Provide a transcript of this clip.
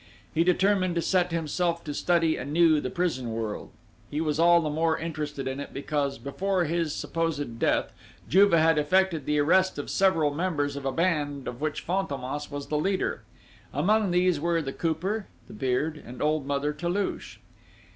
He determined to set himself to study anew the prison world; he was all the more interested in it because, before his supposed death, Juve had effected the arrest of several members of a band of which Fantômas was the leader. Among these were the Cooper, the Beard, and old Mother Toulouche.